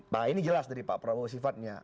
nah ini jelas dari pak prabowo sifatnya